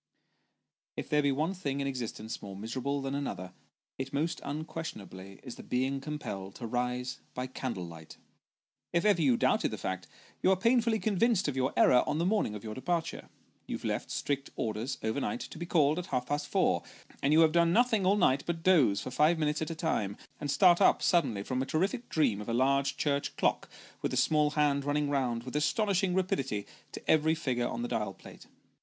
If there be one thing in existence more miserable than another, it most unquestionably is the being compelled to rise by candle light. If you ever doubted the fact, you are painfully convinced of your error, on the morning of your departure. You left strict orders, overnight, to be called at half past four, and you have done nothing all night but doze for five minutes at a time, and start up suddenly from a terrific dream of a large church clock with the small hand running round, with astonishing rapidity, to every figure on the dial plate.